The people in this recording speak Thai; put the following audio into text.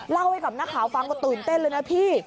เล่าให้กับนักข่าวฟังว่าตื่นเต้นเลยนะพี่